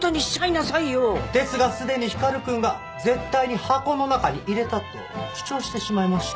ですがすでに光くんが絶対に箱の中に入れたと主張してしまいました。